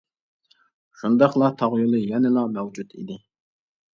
شۇنداقلا تاغ يولى يەنىلا مەۋجۇت ئىدى.